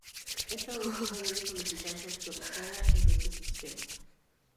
Esta última debe solicitarse actualizada en este sistema.